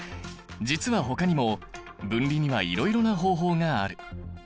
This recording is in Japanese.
実はほかにも分離にはいろいろな方法がある。